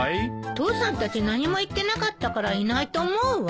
父さんたち何も言ってなかったからいないと思うわ。